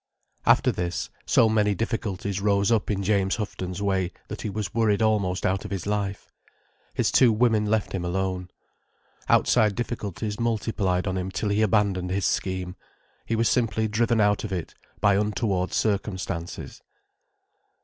After this, so many difficulties rose up in James Houghton's way that he was worried almost out of his life. His two women left him alone. Outside difficulties multiplied on him till he abandoned his scheme—he was simply driven out of it by untoward circumstances.